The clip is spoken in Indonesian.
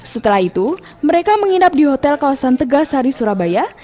setelah itu mereka menginap di hotel kawasan tegasari surabaya